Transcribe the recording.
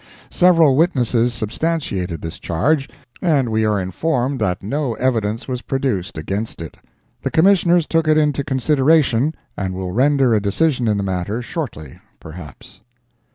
Several witnesses substantiated this charge, and we are informed that no evidence was produced against it. The Commissioners took it into consideration, and will render a decision in the matter shortly, perhaps.